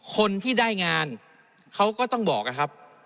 คนที่ได้งานเขาก็ต้องบอกนะครับ